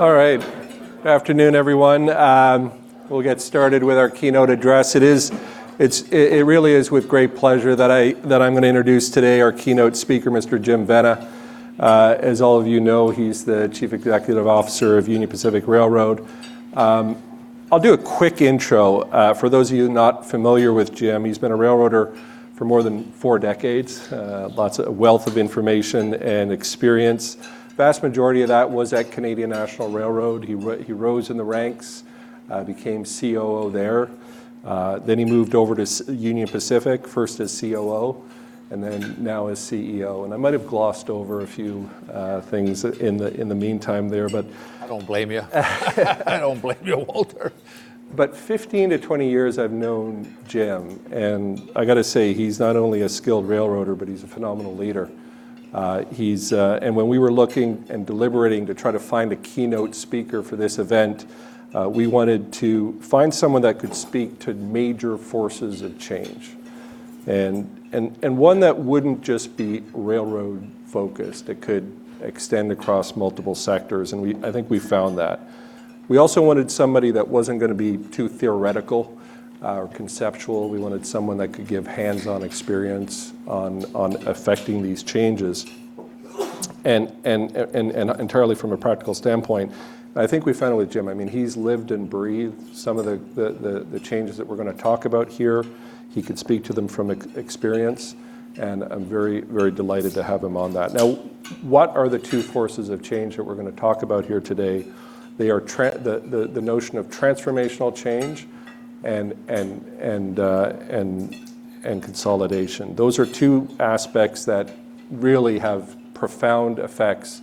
All right. Good afternoon, everyone. We'll get started with our keynote address. It really is with great pleasure that I'm going to introduce today our keynote speaker, Mr. Jim Vena. As all of you know, he's the Chief Executive Officer of Union Pacific Railroad. I'll do a quick intro. For those of you not familiar with Jim, he's been a railroader for more than four decades. A wealth of information and experience. Vast majority of that was at Canadian National Railway. He rose in the ranks, became COO there. He moved over to Union Pacific, first as COO, and then now as CEO. I might have glossed over a few things in the meantime there. I don't blame you. I don't blame you, Walter. 15-20 years I've known Jim, and I got to say, he's not only a skilled railroader, but he's a phenomenal leader. When we were looking and deliberating to try to find a keynote speaker for this event, we wanted to find someone that could speak to major forces of change, and one that wouldn't just be railroad-focused, that could extend across multiple sectors and I think we found that. We also wanted somebody that wasn't going to be too theoretical or conceptual. We wanted someone that could give hands-on experience on affecting these changes. Entirely from a practical standpoint, I think we found it with Jim. He's lived and breathed some of the changes that we're going to talk about here. He could speak to them from experience, and I'm very delighted to have him on that. What are the two forces of change that we're going to talk about here today? They are the notion of transformational change and consolidation. Those are two aspects that really have profound effects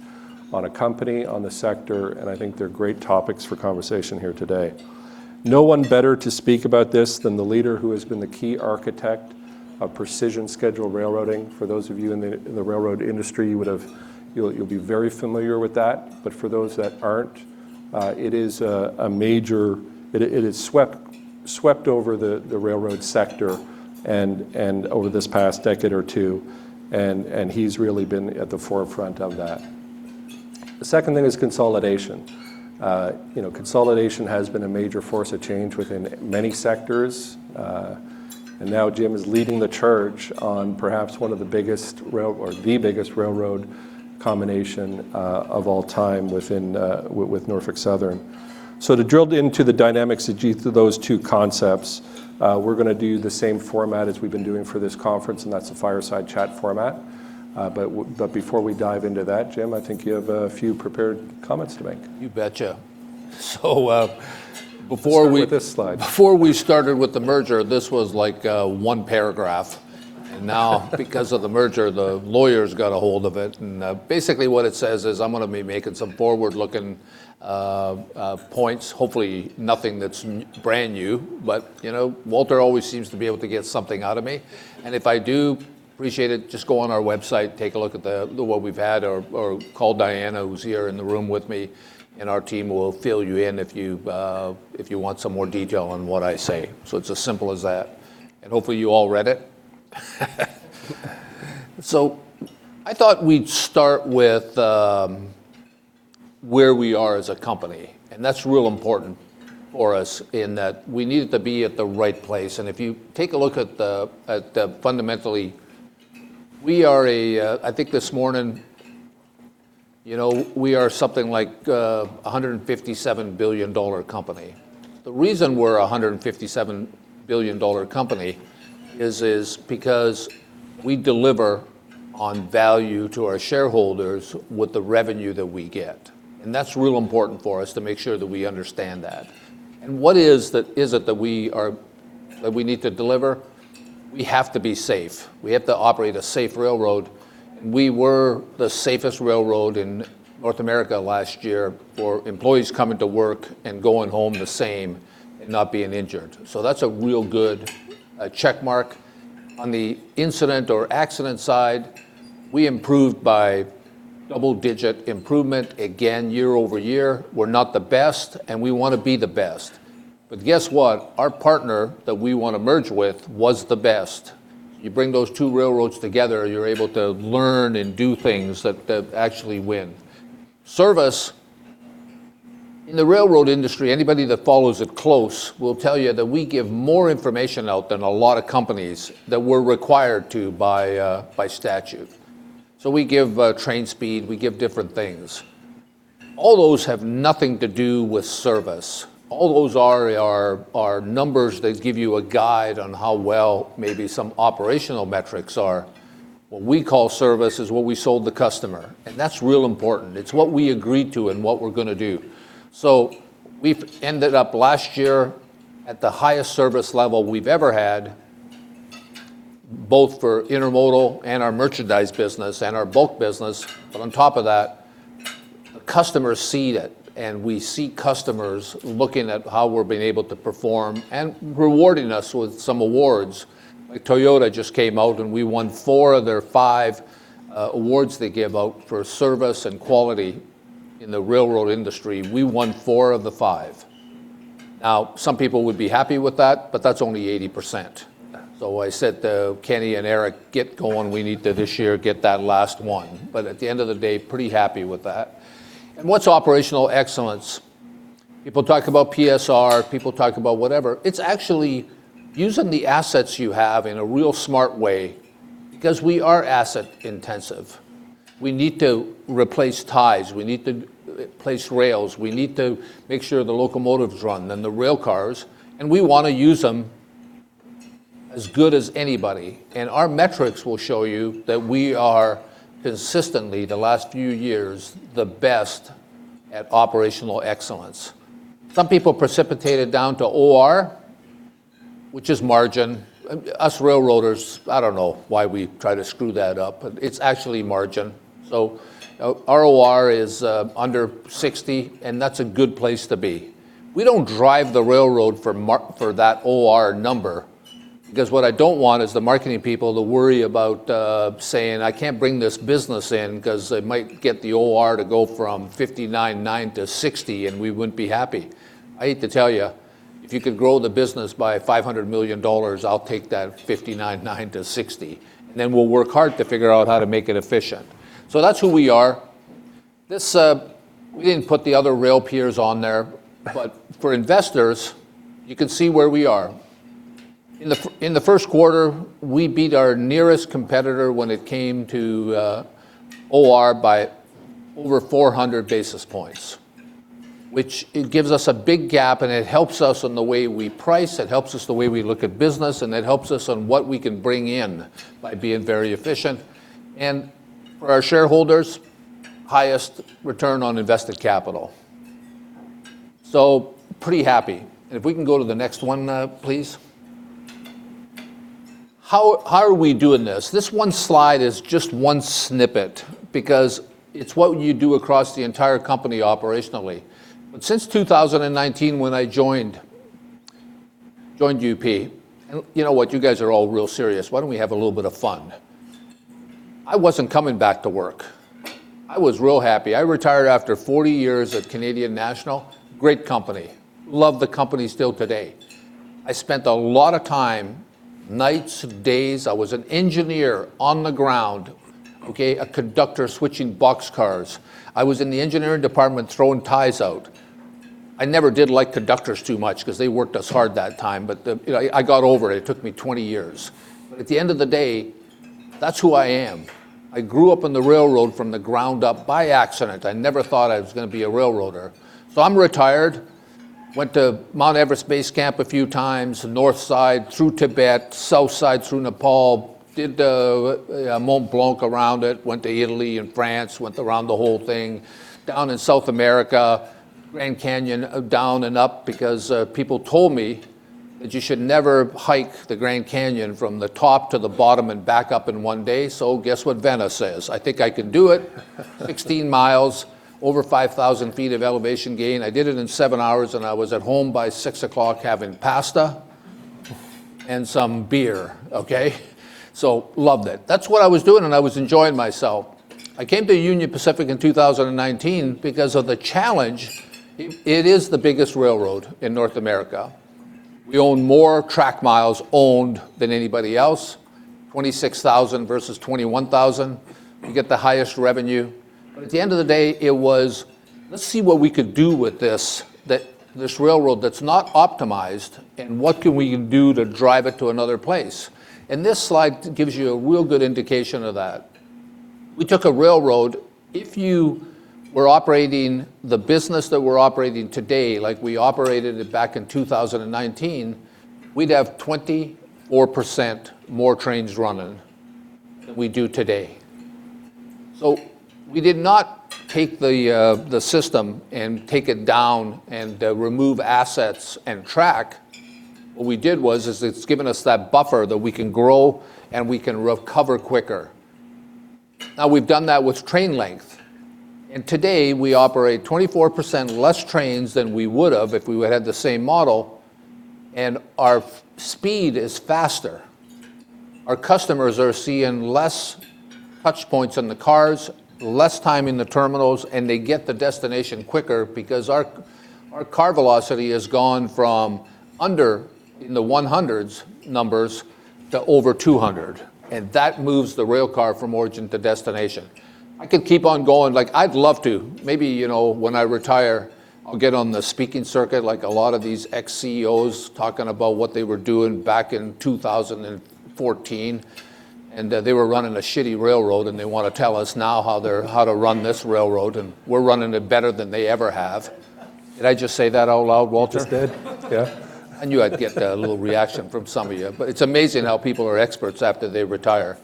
on a company, on the sector, and I think they're great topics for conversation here today. No one better to speak about this than the leader who has been the key architect of Precision Scheduled Railroading. For those of you in the railroad industry, you'll be very familiar with that, but for those that aren't, it has swept over the railroad sector and over this past decade or two, and he's really been at the forefront of that. The second thing is consolidation. Consolidation has been a major force of change within many sectors. Now Jim is leading the charge on perhaps one of the biggest rail, or the biggest railroad combination of all time with Norfolk Southern. To drill into the dynamics of those two concepts, we're going to do the same format as we've been doing for this conference, and that's the fireside chat format. Before we dive into that, Jim, I think you have a few prepared comments to make. You betcha. Start with this slide. Before we started with the merger, this was one paragraph. Now, because of the merger, the lawyers got a hold of it. Basically what it says is I'm going to be making some forward-looking points. Hopefully, nothing that's brand new, but Walter always seems to be able to get something out of me. If I do, appreciate it, just go on our website, take a look at what we've had or call Diana, who's here in the room with me, and our team will fill you in if you want some more detail on what I say. It's as simple as that. Hopefully, you all read it. I thought we'd start with where we are as a company, and that's real important for us in that we needed to be at the right place. If you take a look at fundamentally, I think this morning, we are something like $157 billion company. The reason we're $157 billion company is because we deliver on value to our shareholders with the revenue that we get. That's real important for us to make sure that we understand that. What is it that we need to deliver? We have to be safe. We have to operate a safe railroad. We were the safest railroad in North America last year for employees coming to work and going home the same and not being injured. That's a real good check mark. On the incident or accident side, we improved by double-digit improvement again year-over-year. We're not the best, and we want to be the best. Guess what? Our partner that we want to merge with was the best. You bring those two railroads together, you're able to learn and do things that actually win. Service. In the railroad industry, anybody that follows it close will tell you that we give more information out than a lot of companies that we're required to by statute. We give train speed, we give different things. All those have nothing to do with service. All those are numbers that give you a guide on how well maybe some operational metrics are. What we call service is what we sold the customer, and that's real important. It's what we agreed to and what we're going to do. We've ended up last year at the highest service level we've ever had, both for intermodal and our merchandise business and our bulk business. On top of that, customers see it, and we see customers looking at how we're being able to perform and rewarding us with some awards. Toyota just came out and we won four of their five awards they gave out for service and quality in the railroad industry. We won four of the five. Some people would be happy with that, but that's only 80%. I said to Kenny and Eric, "Get going. We need to, this year, get that last one." At the end of the day, pretty happy with that. What's operational excellence? People talk about PSR, people talk about whatever. It's actually using the assets you have in a real smart way, because we are asset-intensive. We need to replace ties. We need to place rails. We need to make sure the locomotives run, and the railcars. We want to use them as good as anybody. Our metrics will show you that we are consistently, the last few years, the best at operational excellence. Some people precipitate it down to OR, which is margin. Us railroaders, I don't know why we try to screw that up. It's actually margin. Our OR is under 60. That's a good place to be. We don't drive the railroad for that OR number, because what I don't want is the marketing people to worry about saying, "I can't bring this business in because it might get the OR to go from 59.9 to 60. We wouldn't be happy." I hate to tell you, if you could grow the business by $500 million, I'll take that 59.9 to 60. We'll work hard to figure out how to make it efficient. That's who we are. We didn't put the other rail peers on there. For investors, you can see where we are. In the first quarter, we beat our nearest competitor when it came to OR by over 400 basis points. Which it gives us a big gap, and it helps us in the way we price, it helps us the way we look at business, and it helps us on what we can bring in by being very efficient. For our shareholders, highest return on invested capital. Pretty happy. If we can go to the next one, please. How are we doing this? This one slide is just one snippet, because it's what you do across the entire company operationally. Since 2019, when I joined UP. You know what? You guys are all real serious. Why don't we have a little bit of fun? I wasn't coming back to work. I was real happy. I retired after 40 years at Canadian National. Great company. Love the company still today. I spent a lot of time, nights, days. I was an engineer on the ground. Okay? A conductor switching boxcars. I was in the engineering department throwing ties out. I never did like conductors too much because they worked us hard that time. I got over it. It took me 20 years. At the end of the day, that's who I am. I grew up in the railroad from the ground up by accident. I never thought I was going to be a railroader. I'm retired. Went to Mount Everest base camp a few times, the north side through Tibet, south side through Nepal. Did Mont Blanc, around it, went to Italy and France, went around the whole thing. Down in South America, Grand Canyon, down and up, because people told me that you should never hike the Grand Canyon from the top to the bottom and back up in one day. Guess what Vena says. I think I can do it. 16 mi, over 5,000 ft of elevation gain. I did it in 7 hours, and I was at home by 6 o'clock having pasta and some beer. Okay. Loved it. That's what I was doing, and I was enjoying myself. I came to Union Pacific in 2019 because of the challenge. It is the biggest railroad in North America. We own more track miles owned than anybody else, 26,000 versus 21,000. We get the highest revenue. At the end of the day, it was, let's see what we could do with this railroad that's not optimized, and what can we do to drive it to another place? This slide gives you a real good indication of that. We took a railroad. If you were operating the business that we're operating today like we operated it back in 2019, we'd have 24% more trains running than we do today. We did not take the system and take it down and remove assets and track. What we did was, is it's given us that buffer that we can grow, and we can recover quicker. Now, we've done that with train length. Today, we operate 24% less trains than we would have if we would've had the same model, and our speed is faster. Our customers are seeing less touch points in the cars, less time in the terminals, and they get to the destination quicker because our car velocity has gone from under in the 100s numbers to over 200, and that moves the railcar from origin to destination. I could keep on going. I'd love to. Maybe, when I retire, I'll get on the speaking circuit like a lot of these ex-CEOs talking about what they were doing back in 2014. They were running a shitty railroad, and they want to tell us now how to run this railroad, and we're running it better than they ever have. Did I just say that out loud, Walter? Just did. Yeah. I knew I'd get a little reaction from some of you. It's amazing how people are experts after they retire.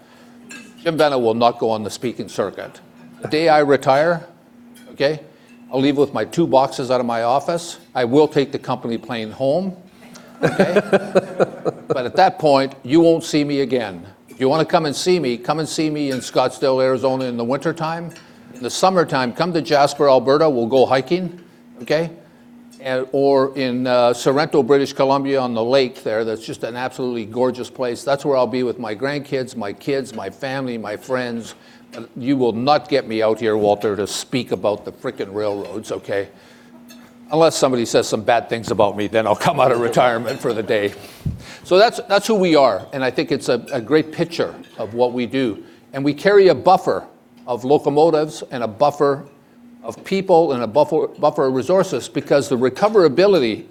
Jim Vena will not go on the speaking circuit. The day I retire, okay, I'll leave with my two boxes out of my office. I will take the company plane home. Okay. At that point, you won't see me again. If you want to come and see me, come and see me in Scottsdale, Arizona, in the wintertime. In the summertime, come to Jasper, Alberta. We'll go hiking. Okay. In Sorrento, British Columbia, on the lake there. That's just an absolutely gorgeous place. That's where I'll be with my grandkids, my kids, my family, my friends. You will not get me out here, Walter, to speak about the freaking railroads. Okay. Unless somebody says some bad things about me, then I'll come out of retirement for the day. That's who we are, and I think it's a great picture of what we do. We carry a buffer of locomotives and a buffer of people and a buffer of resources because the recoverability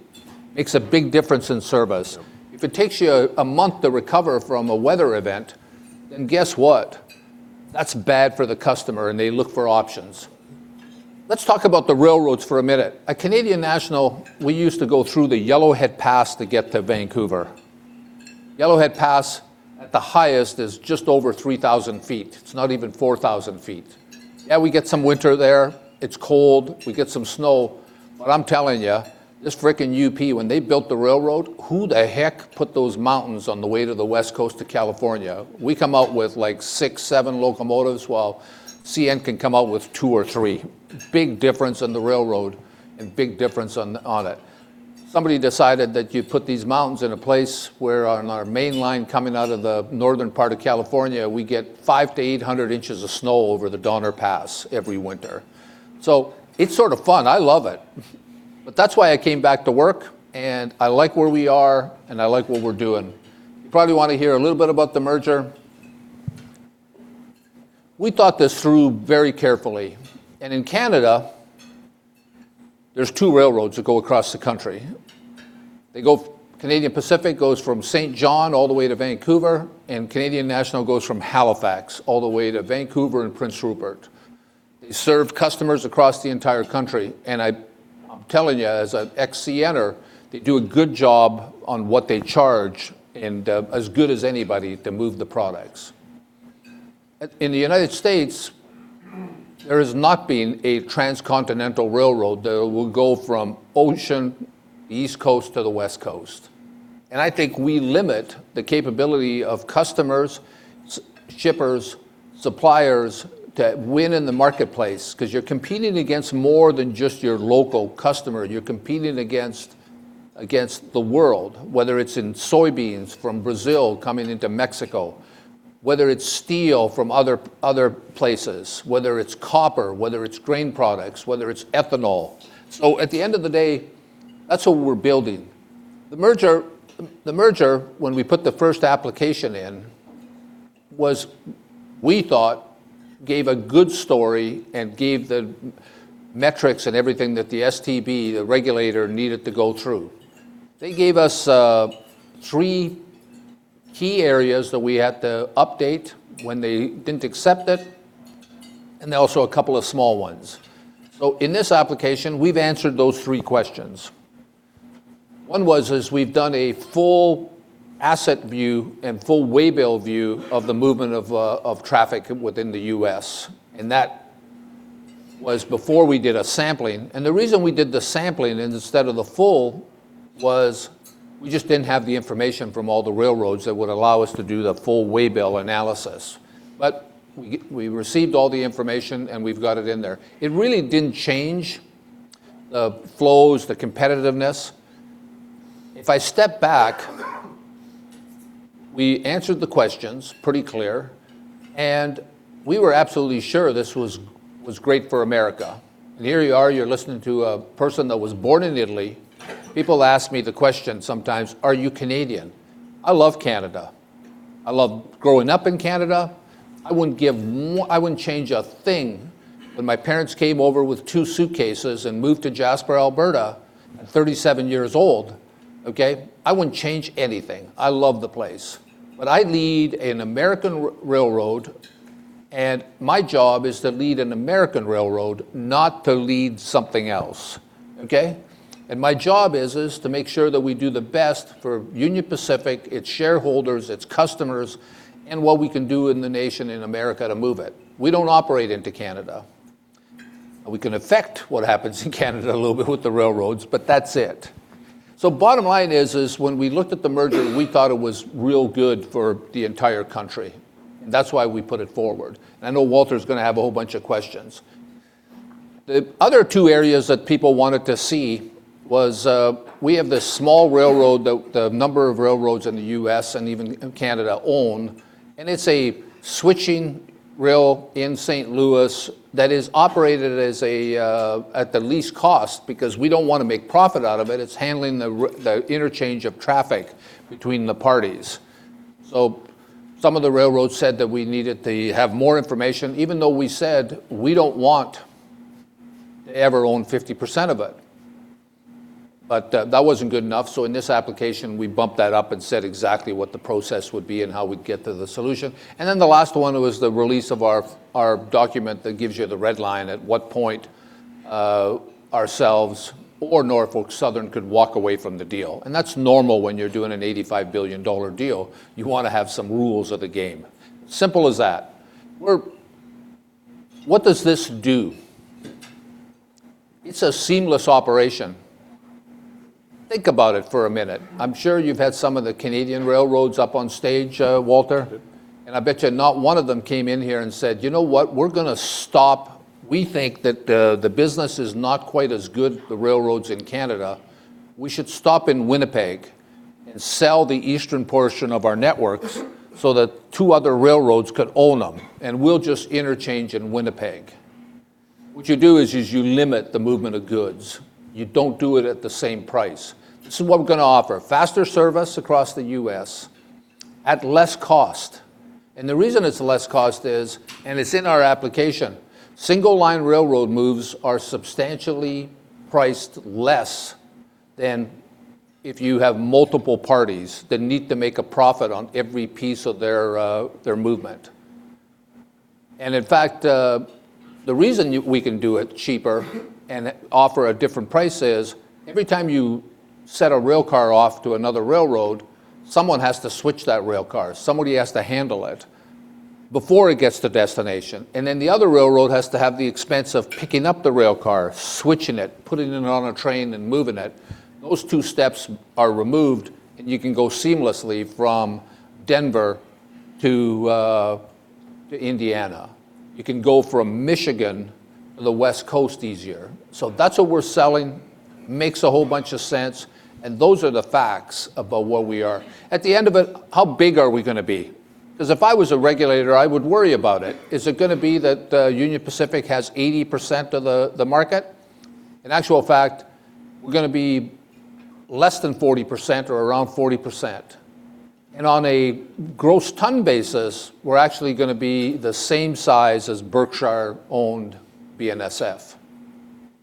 makes a big difference in service. If it takes you a month to recover from a weather event, guess what? That's bad for the customer, and they look for options. Let's talk about the railroads for a minute. At Canadian National, we used to go through the Yellowhead Pass to get to Vancouver. Yellowhead Pass, at the highest, is just over 3,000 ft. It's not even 4,000 ft. Yeah, we get some winter there. It's cold. We get some snow. I'm telling you, this freaking UP, when they built the railroad, who the heck put those mountains on the way to the West Coast of California? We come out with six, seven locomotives, while CN can come out with two or three. Big difference in the railroad and big difference on it. Somebody decided that you'd put these mountains in a place where on our main line coming out of the northern part of California, we get 500-800 inches of snow over The Donner Pass every winter. It's sort of fun. I love it. That's why I came back to work, and I like where we are, and I like what we're doing. You probably want to hear a little bit about the merger. We thought this through very carefully. In Canada, there's two railroads that go across the country. Canadian Pacific goes from St. John all the way to Vancouver, and Canadian National goes from Halifax all the way to Vancouver and Prince Rupert. They serve customers across the entire country. I'm telling you, as an ex-CNer, they do a good job on what they charge and as good as anybody to move the products. In the United States, there has not been a transcontinental railroad that will go from ocean East Coast to the West Coast. I think we limit the capability of customers, shippers, suppliers to win in the marketplace because you're competing against more than just your local customer. You're competing against the world, whether it's in soybeans from Brazil coming into Mexico, whether it's steel from other places, whether it's copper, whether it's grain products, whether it's ethanol. At the end of the day, that's what we're building. The merger, when we put the first application in, was we thought gave a good story and gave the metrics and everything that the STB, the regulator, needed to go through. They gave us three key areas that we had to update when they didn't accept it, and also a couple of small ones. In this application, we've answered those three questions. One was, is we've done a full asset view and full waybill view of the movement of traffic within the U.S., and that was before we did a sampling. The reason we did the sampling instead of the full was we just didn't have the information from all the railroads that would allow us to do the full waybill analysis. We received all the information, and we've got it in there. It really didn't change the flows, the competitiveness. If I step back, we answered the questions pretty clear. We were absolutely sure this was great for America. Here you are, you're listening to a person that was born in Italy. People ask me the question sometimes, "Are you Canadian?" I love Canada. I loved growing up in Canada. I wouldn't change a thing that my parents came over with two suitcases and moved to Jasper, Alberta. I'm 37 years old. I wouldn't change anything. I love the place. I lead an American railroad, and my job is to lead an American railroad, not to lead something else. Okay. My job is to make sure that we do the best for Union Pacific, its shareholders, its customers, and what we can do in the nation in America to move it. We don't operate into Canada. We can affect what happens in Canada a little bit with the railroads, but that's it. Bottom line is when we looked at the merger, we thought it was real good for the entire country. That's why we put it forward. I know Walter's going to have a whole bunch of questions. The other two areas that people wanted to see was, we have this small railroad that a number of railroads in the U.S. and even in Canada own, and it's a switching rail in St. Louis that is operated at the least cost because we don't want to make profit out of it. It's handling the interchange of traffic between the parties. Some of the railroads said that we needed to have more information, even though we said we don't want to ever own 50% of it. That wasn't good enough. In this application, we bumped that up and said exactly what the process would be and how we'd get to the solution. The last one was the release of our document that gives you the red line, at what point ourselves or Norfolk Southern could walk away from the deal. That's normal when you're doing an $85 billion deal. You want to have some rules of the game. Simple as that. What does this do? It's a seamless operation. Think about it for a minute. I'm sure you've had some of the Canadian railroads up on stage, Walter. I did. I bet you not one of them came in here and said, "You know what? We think that the business is not quite as good, the railroads in Canada. We should stop in Winnipeg." Sell the eastern portion of our networks so that two other railroads could own them, and we'll just interchange in Winnipeg. What you do is you limit the movement of goods. You don't do it at the same price. This is what we're going to offer. Faster service across the U.S. at less cost. The reason it's less cost is, and it's in our application, single line railroad moves are substantially priced less than if you have multiple parties that need to make a profit on every piece of their movement. In fact, the reason we can do it cheaper and offer a different price is every time you set a rail car off to another railroad, someone has to switch that rail car. Somebody has to handle it before it gets to destination. Then the other railroad has to have the expense of picking up the rail car, switching it, putting it on a train, and moving it. Those two steps are removed, and you can go seamlessly from Denver to Indiana. You can go from Michigan to the West Coast easier. That's what we're selling. Makes a whole bunch of sense, and those are the facts about what we are. At the end of it, how big are we going to be? Because if I was a regulator, I would worry about it. Is it going to be that Union Pacific has 80% of the market? In actual fact, we're going to be less than 40% or around 40%. On a gross ton basis, we're actually going to be the same size as Berkshire-owned BNSF.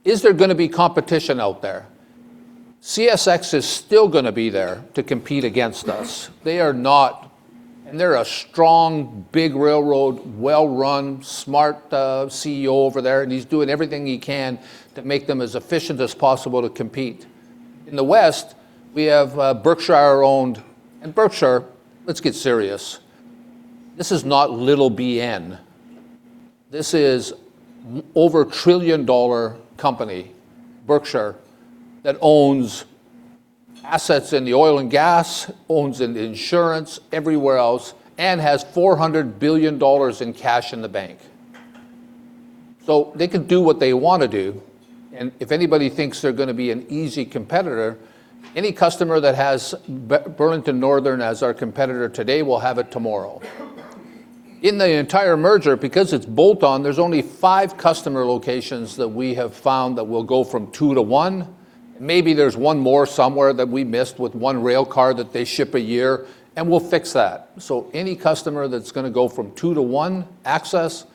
Is there going to be competition out there? CSX is still going to be there to compete against us. They're a strong, big railroad, well-run, smart CEO over there, and he's doing everything he can to make them as efficient as possible to compete. In the West, we have Berkshire-owned. Berkshire, let's get serious. This is not little BN. This is over a trillion-dollar company, Berkshire, that owns assets in the oil and gas, owns insurance everywhere else, and has $400 billion in cash in the bank. They can do what they want to do, and if anybody thinks they're going to be an easy competitor, any customer that has Burlington Northern as our competitor today will have it tomorrow. In the entire merger, because it's bolt-on, there's only five customer locations that we have found that will go from two to one. Maybe there's one more somewhere that we missed with one rail car that they ship a year, and we'll fix that. Any customer that's going to go from two to one access,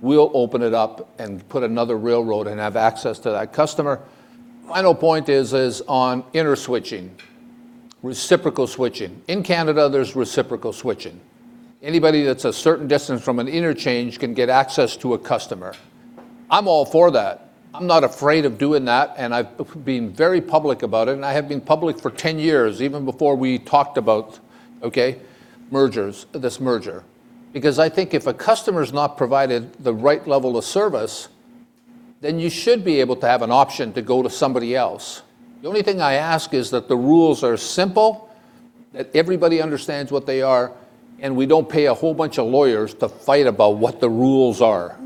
we'll open it up and put another railroad and have access to that customer. Final point is on interswitching, reciprocal switching. In Canada, there's reciprocal switching. Anybody that's a certain distance from an interchange can get access to a customer. I'm all for that. I'm not afraid of doing that, and I've been very public about it, and I have been public for 10 years, even before we talked about this merger. I think if a customer's not provided the right level of service, then you should be able to have an option to go to somebody else. The only thing I ask is that the rules are simple, that everybody understands what they are, and we don't pay a whole bunch of lawyers to fight about what the rules are.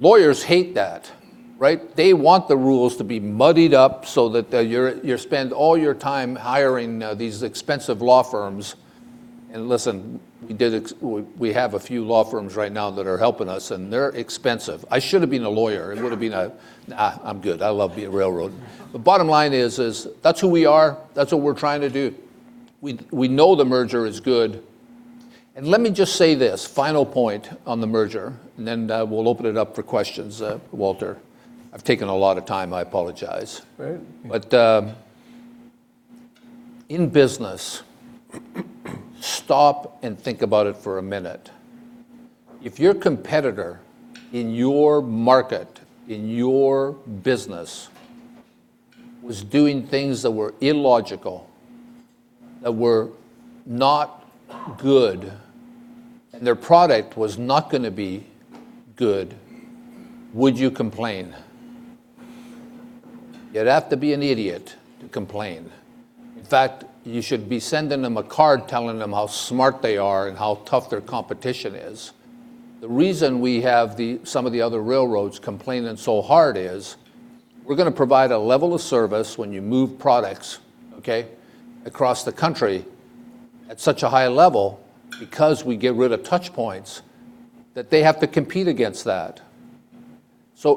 Lawyers hate that, right? They want the rules to be muddied up so that you spend all your time hiring these expensive law firms. Listen, we have a few law firms right now that are helping us, and they're expensive. I should've been a lawyer. Nah, I'm good. I love being railroad. The bottom line is that's who we are. That's what we're trying to do. We know the merger is good. Let me just say this final point on the merger, and then we'll open it up for questions, Walter. I've taken a lot of time. I apologize. Right. In business, stop and think about it for a minute. If your competitor in your market, in your business, was doing things that were illogical, that were not good, and their product was not going to be good, would you complain? You'd have to be an idiot to complain. In fact, you should be sending them a card telling them how smart they are and how tough their competition is. The reason we have some of the other railroads complaining so hard is we're going to provide a level of service when you move products across the country at such a high level because we get rid of touch points that they have to compete against that.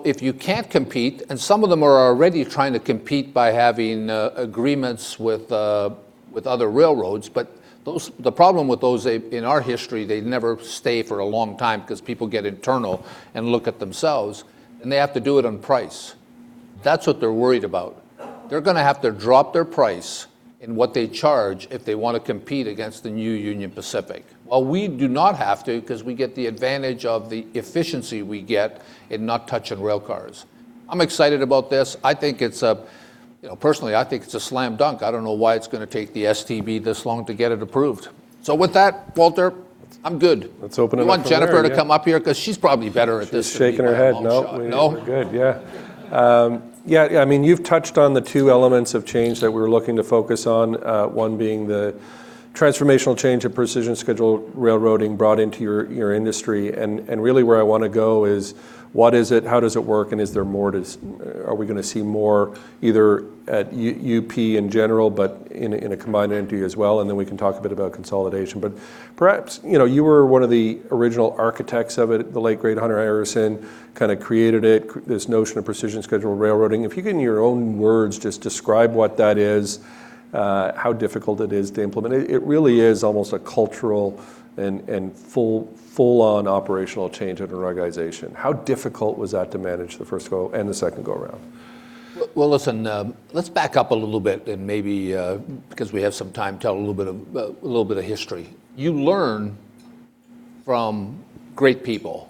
If you can't compete, and some of them are already trying to compete by having agreements with other railroads. The problem with those, in our history, they never stay for a long time because people get internal and look at themselves, and they have to do it on price. That's what they're worried about. They're going to have to drop their price in what they charge if they want to compete against the new Union Pacific. While we do not have to because we get the advantage of the efficiency we get in not touching rail cars. I'm excited about this. Personally, I think it's a slam dunk. I don't know why it's going to take the STB this long to get it approved. With that, Walter, I'm good. Let's open it up for her. Yeah. You want Jennifer to come up here? Because she's probably better at this than me by a long shot. She's shaking her head no. No? We're good. Yeah. You've touched on the two elements of change that we're looking to focus on. One being the transformational change of Precision Scheduled Railroading brought into your industry. Really where I want to go is what is it, how does it work, and are we going to see more either at UP in general, but in a combined entity as well? We can talk a bit about consolidation. Perhaps, you were one of the original architects of it. The late great Hunter Harrison kind of created it, this notion of Precision Scheduled Railroading. If you can in your own words just describe what that is, how difficult it is to implement. It really is almost a cultural and full on operational change of an organization. How difficult was that to manage the first go and the second go around? Well, listen, let's back up a little bit and maybe, because we have some time, tell a little bit of history. You learn from great people.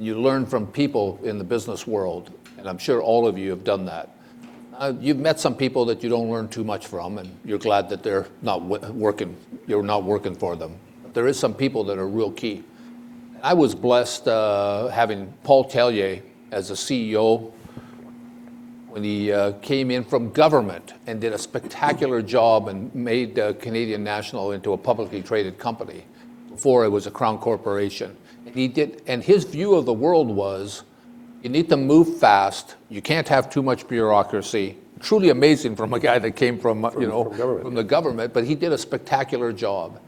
You learn from people in the business world, and I'm sure all of you have done that. You've met some people that you don't learn too much from, and you're glad that you're not working for them. There is some people that are real key. I was blessed having Paul Tellier as a CEO when he came in from government and did a spectacular job and made Canadian National into a publicly traded company. Before it was a Crown corporation. His view of the world was, you need to move fast, you can't have too much bureaucracy. Truly amazing from a guy that came from. From government. From the government. He did a spectacular job.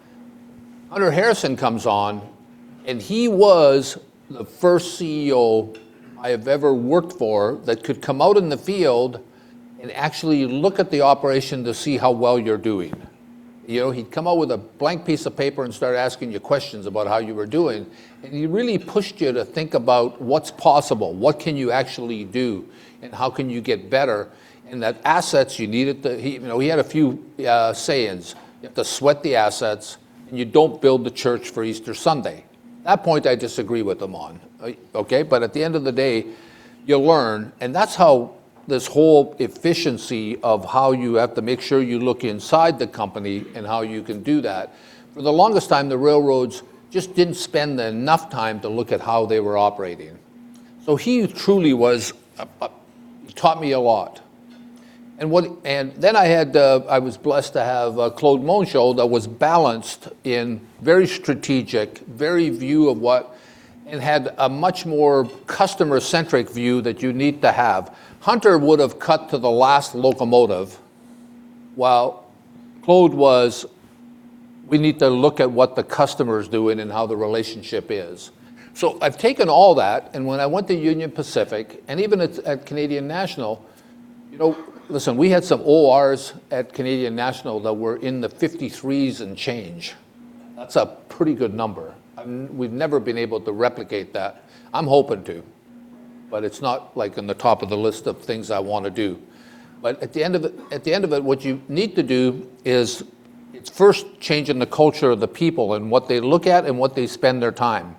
Hunter Harrison comes on and he was the first CEO I have ever worked for that could come out in the field and actually look at the operation to see how well you're doing. He'd come out with a blank piece of paper and start asking you questions about how you were doing, and he really pushed you to think about what's possible. What can you actually do and how can you get better? He had a few sayings. You have to sweat the assets, and you don't build the church for Easter Sunday. That point I disagree with him on. Okay. At the end of the day, you learn, and that's how this whole efficiency of how you have to make sure you look inside the company and how you can do that. For the longest time, the railroads just didn't spend enough time to look at how they were operating. He truly taught me a lot. I was blessed to have Claude Mongeau that was balanced in very strategic, very view of what, and had a much more customer-centric view that you need to have. Hunter would've cut to the last locomotive while Claude was, we need to look at what the customer's doing and how the relationship is. I've taken all that, and when I went to Union Pacific, and even at Canadian National, listen, we had some ORs at Canadian National that were in the 53s and change. That's a pretty good number. We've never been able to replicate that. I'm hoping to, but it's not like in the top of the list of things I want to do. At the end of it, what you need to do is, it's first changing the culture of the people and what they look at and what they spend their time.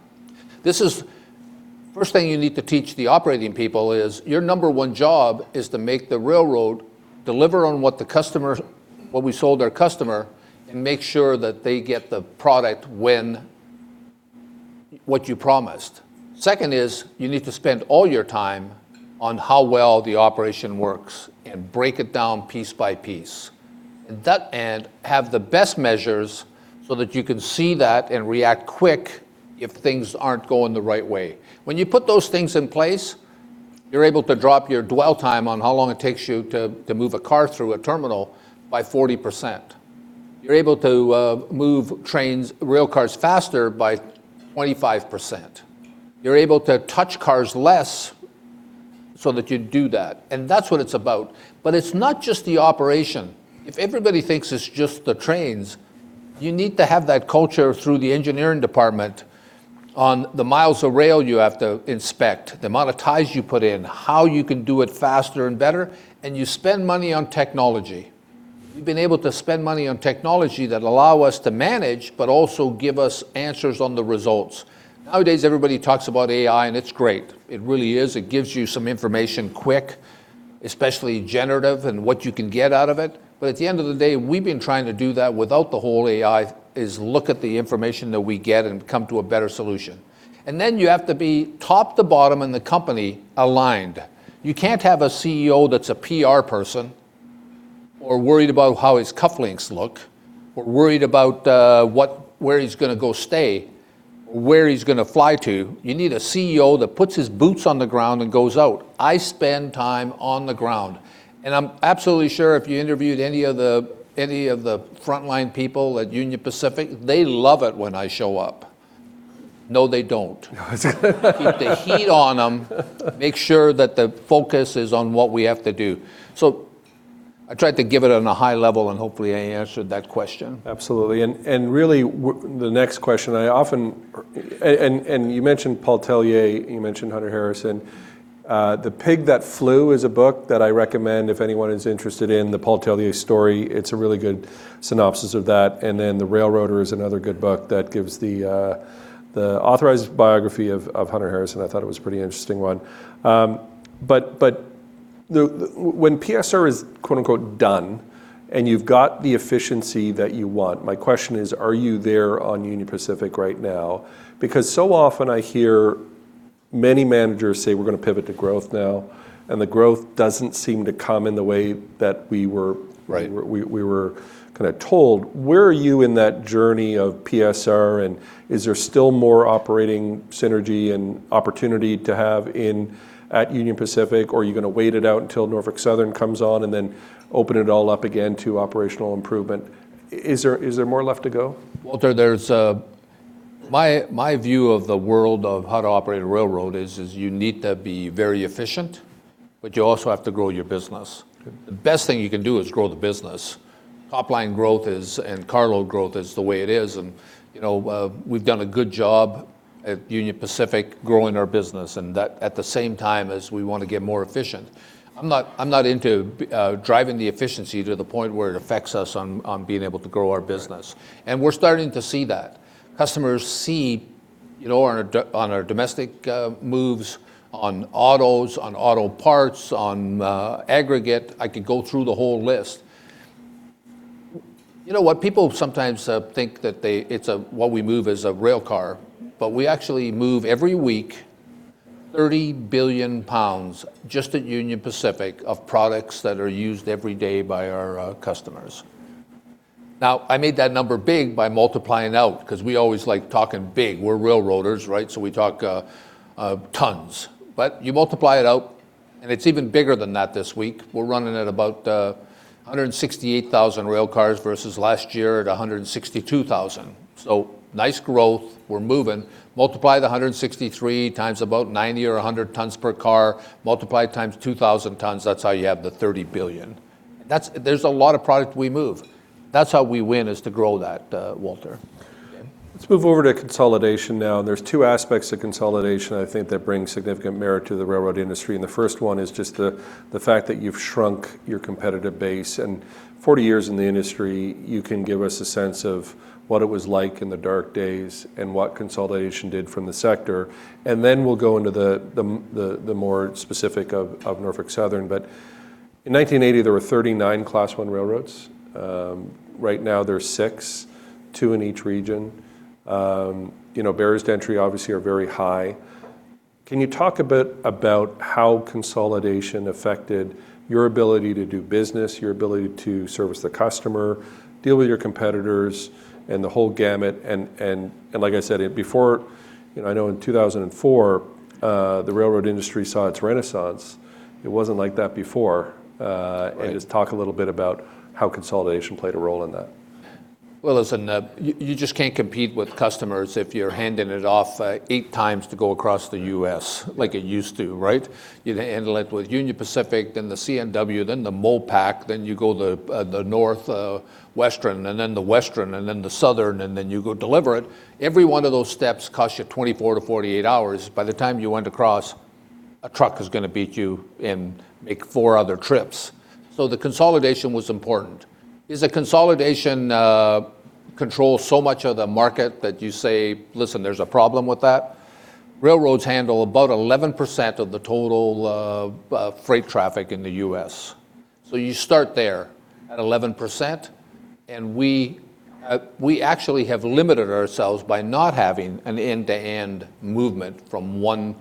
First thing you need to teach the operating people is, your number 1 job is to make the railroad deliver on what we sold our customer, and make sure that they get the product when what you promised. Second is you need to spend all your time on how well the operation works and break it down piece by piece. That, and have the best measures so that you can see that and react quick if things aren't going the right way. When you put those things in place, you're able to drop your dwell time on how long it takes you to move a car through a terminal by 40%. You're able to move trains, railcars faster by 25%. You're able to touch cars less so that you do that. That's what it's about. It's not just the operation. If everybody thinks it's just the trains, you need to have that culture through the engineering department on the miles of rail you have to inspect, the amount of ties you put in, how you can do it faster and better, and you spend money on technology. We've been able to spend money on technology that allow us to manage, but also give us answers on the results. Nowadays, everybody talks about AI and it's great. It really is. It gives you some information quick, especially generative and what you can get out of it. At the end of the day, we've been trying to do that without the whole AI, is look at the information that we get and come to a better solution. You have to be top to bottom in the company aligned. You can't have a CEO that's a PR person or worried about how his cufflinks look or worried about where he's going to go stay or where he's going to fly to. You need a CEO that puts his boots on the ground and goes out. I spend time on the ground. I'm absolutely sure if you interviewed any of the frontline people at Union Pacific, they love it when I show up. No, they don't. Keep the heat on them, make sure that the focus is on what we have to do. I tried to give it on a high level and hopefully I answered that question. Absolutely. Really, the next question, and you mentioned Paul Tellier, you mentioned Hunter Harrison. "The Pig That Flew" is a book that I recommend if anyone is interested in the Paul Tellier story. It's a really good synopsis of that. Then "The Railroader" is another good book that gives the authorized biography of Hunter Harrison. I thought it was a pretty interesting one. When PSR is quote unquote done and you've got the efficiency that you want, my question is, are you there on Union Pacific right now? Because so often I hear many managers say we're going to pivot to growth now, and the growth doesn't seem to come in the way that we were- Right we were kind of told. Where are you in that journey of PSR, and is there still more operating synergy and opportunity to have at Union Pacific? Are you going to wait it out until Norfolk Southern comes on, and then open it all up again to operational improvement? Is there more left to go? Walter, my view of the world of how to operate a railroad is you need to be very efficient, but you also have to grow your business. The best thing you can do is grow the business. Topline growth and cargo growth is the way it is, and we've done a good job at Union Pacific growing our business, and at the same time as we want to get more efficient. I'm not into driving the efficiency to the point where it affects us on being able to grow our business. We're starting to see that. Customers see on our domestic moves, on autos, on auto parts, on aggregate. I could go through the whole list. You know what? People sometimes think that what we move is a railcar, but we actually move every week 30 billion pounds just at Union Pacific of products that are used every day by our customers. Now, I made that number big by multiplying out because we always like talking big. We're railroaders, right? We talk tons. You multiply it out and it's even bigger than that this week. We're running at about 168,000 railcars versus last year at 162,000. Nice growth. We're moving. Multiply the 163 times about 90 or 100 tons per car, multiply it times 2,000 tons, that's how you have the 30 billion. There's a lot of product we move. That's how we win, is to grow that, Walter. Let's move over to consolidation now. There's two aspects to consolidation, I think, that bring significant merit to the railroad industry. The first one is just the fact that you've shrunk your competitive base. 40 years in the industry, you can give us a sense of what it was like in the dark days and what consolidation did from the sector. Then we'll go into the more specific of Norfolk Southern. In 1980, there were 39 Class I railroads. Right now there's six, two in each region. Barriers to entry obviously are very high. Can you talk a bit about how consolidation affected your ability to do business, your ability to service the customer, deal with your competitors, and the whole gamut? Like I said, I know in 2004, the railroad industry saw its renaissance. It wasn't like that before. Right. Just talk a little bit about how consolidation played a role in that. Listen, you just can't compete with customers if you're handing it off 8x to go across the U.S., like it used to, right? You'd handle it with Union Pacific, then the CNW, then the MoPac, then you go the North Western, and then the Western, and then the Southern, and then you go deliver it. Every one of those steps costs you 24-48 hours. By the time you went across, a truck is going to beat you and make four other trips. The consolidation was important. Does the consolidation control so much of the market that you say, "Listen, there's a problem with that"? Railroads handle about 11% of the total freight traffic in the U.S. You start there at 11%, and we actually have limited ourselves by not having an end-to-end movement from one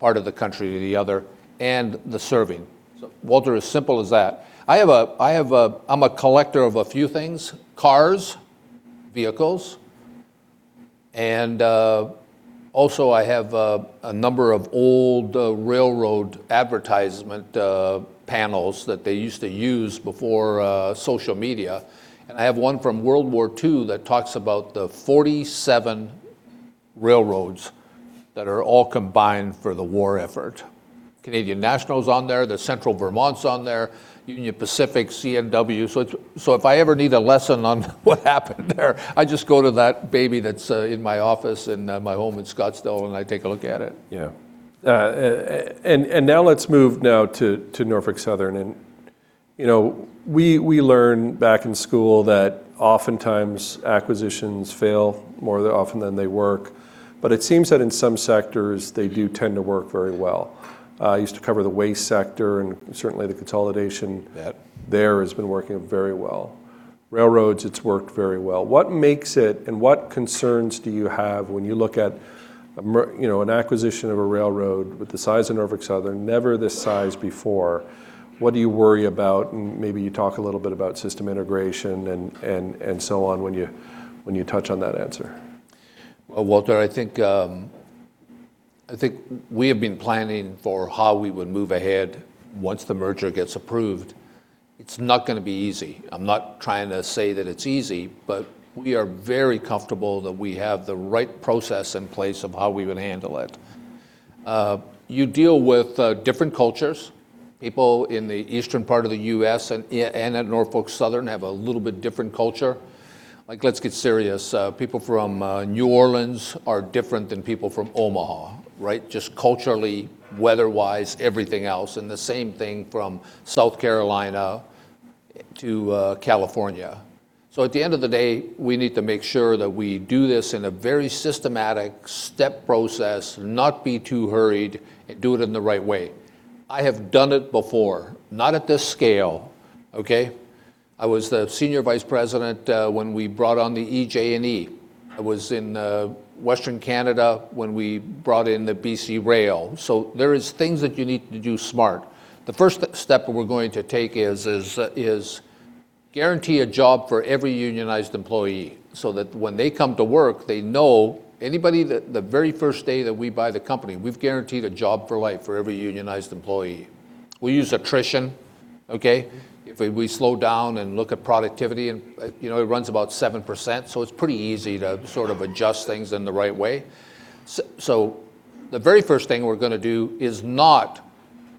part of the country to the other and the serving. Walter, as simple as that. I'm a collector of a few things. Cars, vehicles, and also, I have a number of old railroad advertisement panels that they used to use before social media. I have one from World War II that talks about the 47 railroads that are all combined for the war effort. Canadian National's on there, the Central Vermont's on there, Union Pacific, CNW. If I ever need a lesson on what happened there, I just go to that baby that's in my office in my home in Scottsdale, and I take a look at it. Yeah. Now let's move now to Norfolk Southern. We learn back in school that oftentimes acquisitions fail more often than they work. It seems that in some sectors, they do tend to work very well. I used to cover the waste sector, and certainly the consolidation. Yeah there has been working very well. Railroads, it's worked very well. What makes it, what concerns do you have when you look at an acquisition of a railroad with the size of Norfolk Southern? Never this size before. What do you worry about? Maybe you talk a little bit about system integration and so on when you touch on that answer. Well, Walter, I think we have been planning for how we would move ahead once the merger gets approved. It's not going to be easy. I'm not trying to say that it's easy, but we are very comfortable that we have the right process in place of how we would handle it. You deal with different cultures. People in the eastern part of the U.S. and at Norfolk Southern have a little bit different culture. Like, let's get serious. People from New Orleans are different than people from Omaha, right? Just culturally, weather-wise, everything else. The same thing from South Carolina to California. At the end of the day, we need to make sure that we do this in a very systematic step process, not be too hurried, and do it in the right way. I have done it before, not at this scale. Okay? I was the Senior Vice President when we brought on the EJ&E. I was in Western Canada when we brought in the BC Rail. There is things that you need to do smart. The first step we're going to take is guarantee a job for every unionized employee so that when they come to work, they know anybody that the very first day that we buy the company, we've guaranteed a job for life for every unionized employee. We use attrition. Okay? If we slow down and look at productivity and, you know, it runs about 7%, it's pretty easy to sort of adjust things in the right way. The very first thing we're going to do is not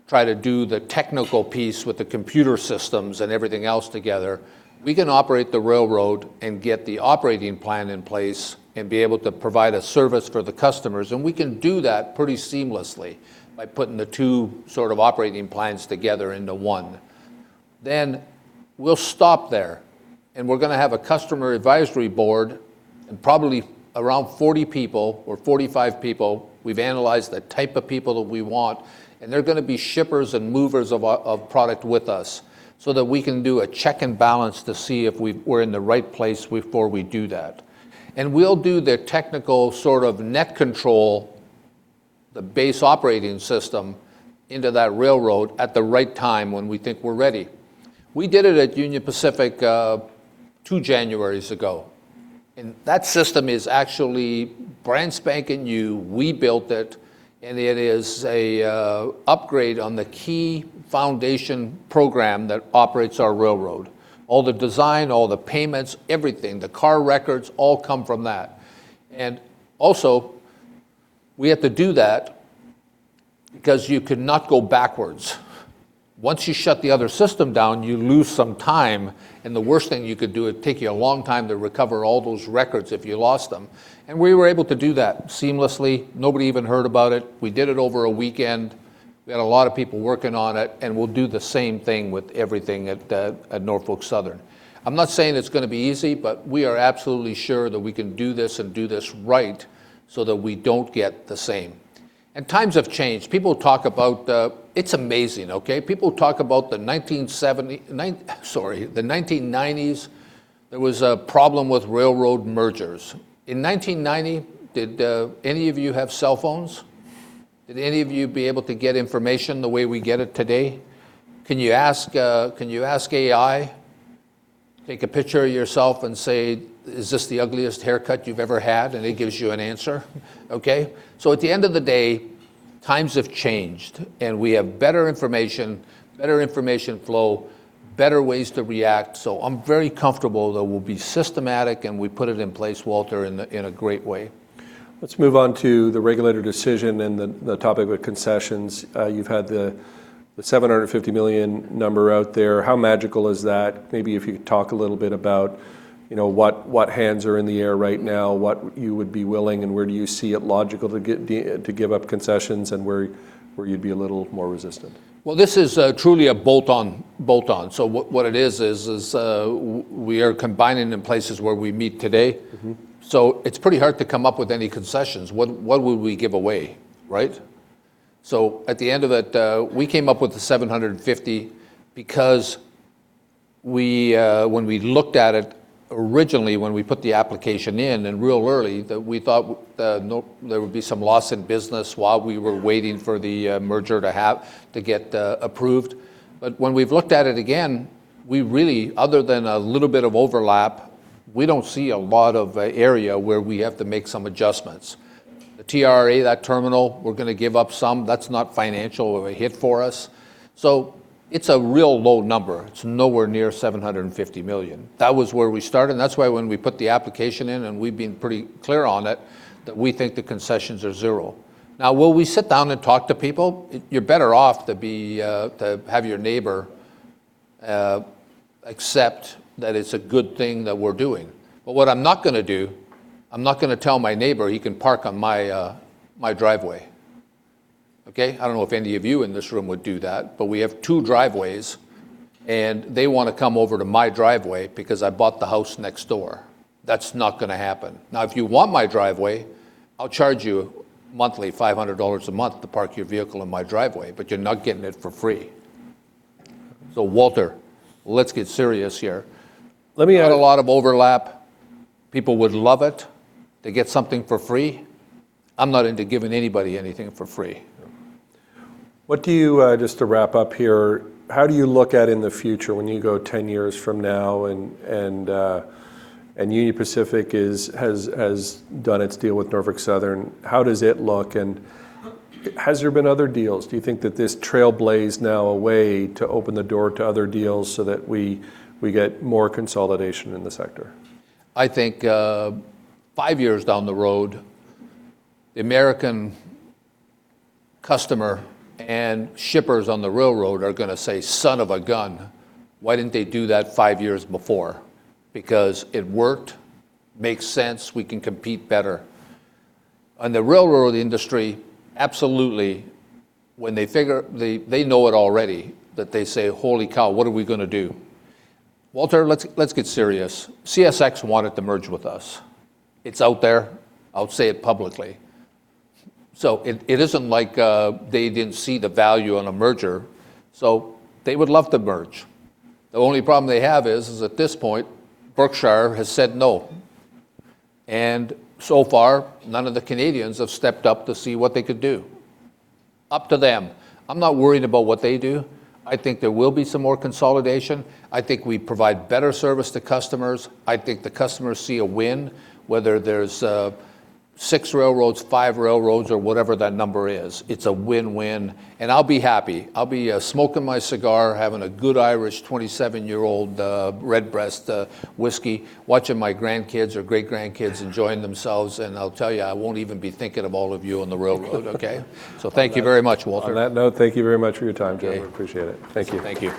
try to do the technical piece with the computer systems and everything else together. We can operate the railroad and get the operating plan in place and be able to provide a service for the customers, and we can do that pretty seamlessly by putting the two sort of operating plans together into one. We'll stop there and we're going to have a customer advisory board and probably around 40 people or 45 people. We've analyzed the type of people that we want, and they're going to be shippers and movers of product with us so that we can do a check and balance to see if we're in the right place before we do that. We'll do the technical sort of NetControl, the base operating system into that railroad at the right time when we think we're ready. We did it at Union Pacific two Januaries ago, and that system is actually brand spanking new. We built it, and it is a upgrade on the key foundation program that operates our railroad. All the design, all the payments, everything, the car records all come from that. Also, we have to do that because you cannot go backwards. Once you shut the other system down, you lose some time, and the worst thing you could do, it'd take you a long time to recover all those records if you lost them, and we were able to do that seamlessly. Nobody even heard about it. We did it over a weekend. We had a lot of people working on it, and we'll do the same thing with everything at Norfolk Southern. I'm not saying it's going to be easy, but we are absolutely sure that we can do this and do this right so that we don't get the same. Times have changed. It's amazing. People talk about the 1990s, there was a problem with railroad mergers. In 1990, did any of you have cell phones? Did any of you be able to get information the way we get it today? Can you ask, can you ask AI? Take a picture of yourself and say, "Is this the ugliest haircut you've ever had?" It gives you an answer. Okay. At the end of the day, times have changed, and we have better information, better information flow, better ways to react. I'm very comfortable that we'll be systematic, and we put it in place, Walter, in a great way. Let's move on to the regulator decision and the topic of concessions. You've had the $750 million number out there. How magical is that? Maybe if you could talk a little bit about what hands are in the air right now, what you would be willing, and where do you see it logical to give up concessions and where you'd be a little more resistant. Well, this is truly a bolt-on. What it is we are combining in places where we meet today. It's pretty hard to come up with any concessions. What would we give away, right? At the end of it, we came up with the $750 million because when we looked at it originally, when we put the application in and real early, that we thought there would be some loss in business while we were waiting for the merger to get approved. When we've looked at it again, we really, other than a little bit of overlap, we don't see a lot of area where we have to make some adjustments. The TRRA, that terminal, we're going to give up some. That's not financial of a hit for us. It's a real low number. It's nowhere near $750 million. That was where we started. That's why when we put the application in and we've been pretty clear on it, that we think the concessions are zero. Will we sit down and talk to people? You're better off to have your neighbor accept that it's a good thing that we're doing. What I'm not going to do, I'm not going to tell my neighbor he can park on my driveway. Okay? I don't know if any of you in this room would do that. We have two driveways. They want to come over to my driveway because I bought the house next door. That's not going to happen. If you want my driveway, I'll charge you monthly, $500 a month to park your vehicle in my driveway. You're not getting it for free. Walter, let's get serious here. Let me- We got a lot of overlap. People would love it. They get something for free. I'm not into giving anybody anything for free. What do you, just to wrap up here, how do you look at in the future when you go 10 years from now and Union Pacific has done its deal with Norfolk Southern? How does it look? Has there been other deals? Do you think that this trail blazed now a way to open the door to other deals so that we get more consolidation in the sector? I think, five years down the road, the American customer and shippers on the railroad are going to say, "Son of a gun, why didn't they do that five years before?" Because it worked, makes sense, we can compete better. On the railroad industry, absolutely, they know it already, that they say, "Holy cow, what are we going to do?" Walter, let's get serious. CSX wanted to merge with us. It's out there. I'll say it publicly. It isn't like they didn't see the value in a merger. They would love to merge. The only problem they have is at this point, Berkshire has said no. So far, none of the Canadians have stepped up to see what they could do. Up to them. I'm not worried about what they do. I think there will be some more consolidation. I think we provide better service to customers. I think the customers see a win, whether there's six railroads, five railroads, or whatever that number is. It's a win-win. I'll be happy. I'll be smoking my cigar, having a good Irish 27-year-old Redbreast whiskey, watching my grandkids or great-grandkids enjoying themselves. I'll tell you, I won't even be thinking of all of you on the railroad, okay. Thank you very much, Walter. On that note, thank you very much for your time, Jim. Appreciate it. Thank you. Thank you.